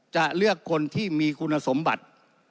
จะเลือกคนที่มีคุณสมบัติ